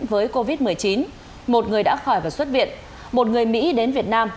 với covid một mươi chín một người đã khỏi và xuất viện một người mỹ đến việt nam